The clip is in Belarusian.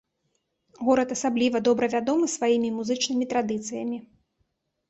Горад асабліва добра вядомы сваімі музычнымі традыцыямі.